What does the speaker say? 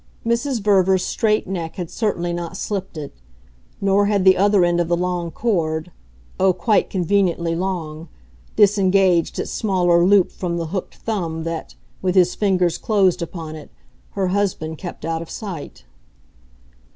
Mrs. Verver's straight neck had certainly not slipped it; nor had the other end of the long cord oh, quite conveniently long! disengaged its smaller loop from the hooked thumb that, with his fingers closed upon it, her husband kept out of sight.